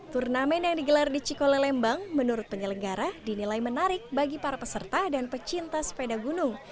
turnamen yang digelar di cikolelembang menurut penyelenggara dinilai menarik bagi para peserta dan pecinta sepeda gunung